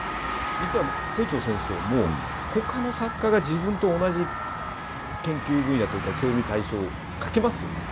実は清張先生も他の作家が自分と同じ研究分野というか興味対象書きますよね。